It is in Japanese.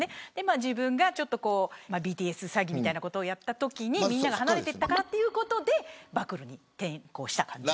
自分がＢＴＳ詐欺をやったときにみんなが離れていったからということで暴露に転向した感じです。